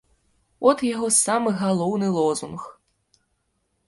От яго самы галоўны лозунг.